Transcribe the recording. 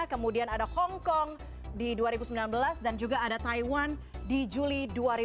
kemudian ada hongkong di dua ribu sembilan belas dan juga ada taiwan di juli dua ribu dua puluh